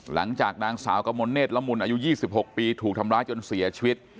หลังจากนางสาวกมลเนธละมุนอายุ๒๖ปีถูกทำร้ายจนเสียชีวิต